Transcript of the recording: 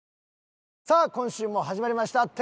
さあ今週も始まりました